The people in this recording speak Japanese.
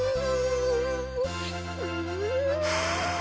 うん。